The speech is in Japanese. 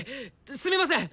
すみません！